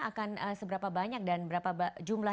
akan seberapa banyak dan berapa jumlah